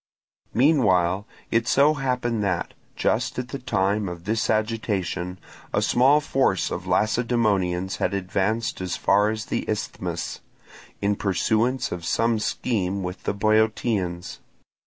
Meanwhile it so happened that, just at the time of this agitation, a small force of Lacedaemonians had advanced as far as the Isthmus, in pursuance of some scheme with the Boeotians.